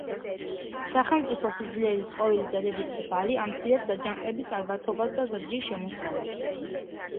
სახელმწიფოს სიძლიერის ყოველი დადებითი ბალი ამცირებს აჯანყების ალბათობას და ზრდის შემოსავალს.